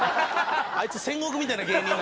あいつ戦国みたいな芸人なんで。